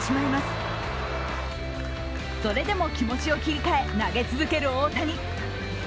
それでも気持ちを切り替え投げ続ける大谷。